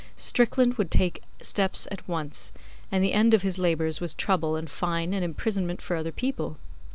Strickland would take steps at once, and the end of his labours was trouble and fine and imprisonment for other people.